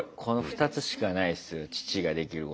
父ができることは。